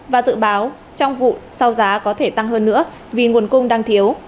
và dự báo trong vụ sau giá có thể tăng hơn nữa vì nguồn cung đang thiếu